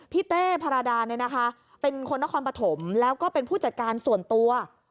เต้พาราดาเป็นคนนครปฐมแล้วก็เป็นผู้จัดการส่วนตัว